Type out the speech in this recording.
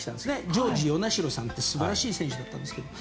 ジョージ・ヨナシロさんっていう素晴らしい選手だったんですけど。